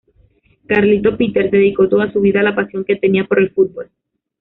Carlito Peters dedicó toda su vida a la pasión que tenía por el fútbol.